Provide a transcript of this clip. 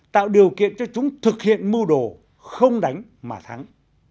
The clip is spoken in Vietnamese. tạo điều kiện cho chúng thực hiện mưu đồ không đánh mà thắng